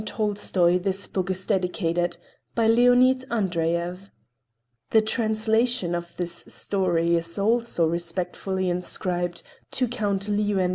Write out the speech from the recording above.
Tolstoy This Book is Dedicated by Leonid Andreyev The Translation of this Story Is Also Respectfully Inscribed to Count Leo N.